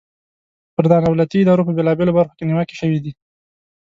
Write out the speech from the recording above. پر نا دولتي ادارو په بیلابیلو برخو کې نیوکې شوي دي.